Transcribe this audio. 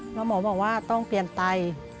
หมอแม่ก็บอกว่าต้องเปลี่ยนไต